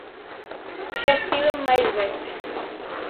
Xa estiven máis veces.